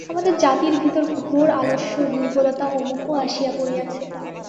আমাদের জাতির ভিতর ঘোর আলস্য, দুর্বলতা ও মোহ আসিয়া পড়িয়াছে।